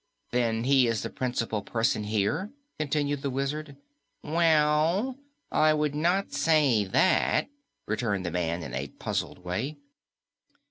"Then he is the principal person here?" continued the Wizard. "Well, I would not say that," returned the man in a puzzled way.